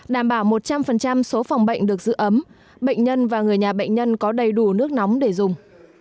đảm bảo một trăm linh số phòng bệnh được giữ ấm bệnh nhân và người nhà bệnh nhân có đầy đủ nước nóng để dùng